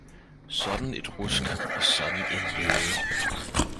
sådant et rusk, og sådan en væde!